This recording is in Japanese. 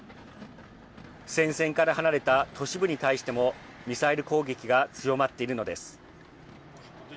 戦線から離れた都市部に対してもミサイル攻撃が強まっているのです。